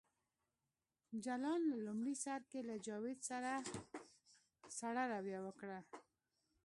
جلان په لومړي سر کې له جاوید سره سړه رویه وکړه